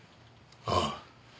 ああ。